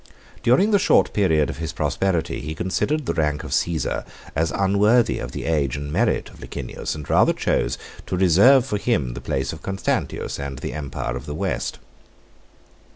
During the short period of his prosperity, he considered the rank of Cæsar as unworthy of the age and merit of Licinius, and rather chose to reserve for him the place of Constantius, and the empire of the West.